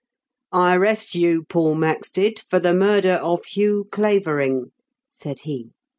I arrest you, Paul Maxted, for the murder of Hugh Clavering," said he.